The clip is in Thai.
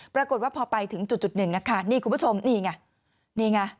ปรากฏว่าพอไปถึงจุดหนึ่งคุณผู้ชมนี่ไง